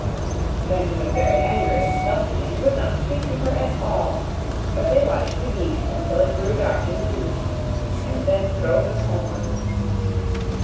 Then he was very angry and sulky, and would not speak to her at all; but they watched the geese until it grew dark in the evening, and then drove them homewards.